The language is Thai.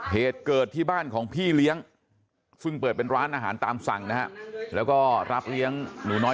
เหตุเกิดที่บ้านของพี่เลี้ยงซึ่งเปิดเป็นร้านอาหารตามสั่งนะฮะแล้วก็รับเลี้ยงหนูน้อย